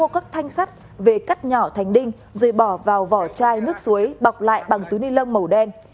các thanh sắt về cắt nhỏ thành đinh rồi bỏ vào vỏ chai nước suối bọc lại bằng túi ni lông màu đen